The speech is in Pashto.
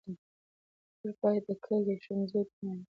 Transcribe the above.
موږ باید د کلي د ښوونکي ډېر درناوی وکړو.